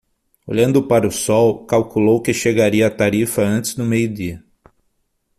Olhando para o sol, calculou que chegaria a Tarifa antes do meio-dia.